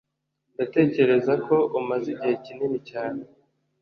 Ndatekereza ko umaze igihe kinini cyane .